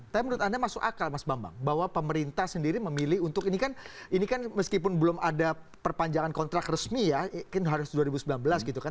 tapi menurut anda masuk akal mas bambang bahwa pemerintah sendiri memilih untuk ini kan ini kan meskipun belum ada perpanjangan kontrak resmi ya kan harus dua ribu sembilan belas gitu kan